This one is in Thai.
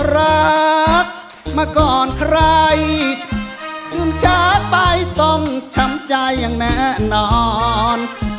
รักมาก่อนใครอุ้มจากไปต้องช้ำใจอย่างแน่นอน